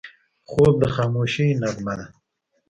خوب د خاموشۍ نغمه ده